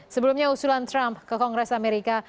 sebelumnya usulan trump ke kongres amerika